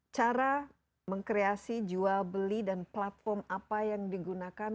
cara mengkreasi jual beli dan platform apa yang digunakan